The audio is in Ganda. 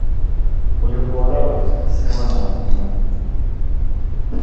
Oyo gwe walaba si mwana wa nnyina.